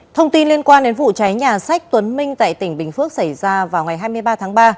thông tin liên quan đến vụ cháy nhà sách tuấn minh tại tỉnh bình phước xảy ra vào ngày hai mươi ba tháng ba